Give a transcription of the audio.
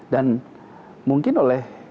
dan mungkin oleh